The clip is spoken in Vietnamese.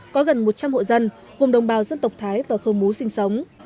có gần một trăm linh hộ dân gồm đồng bào dân tộc thái và khơ mú sinh sống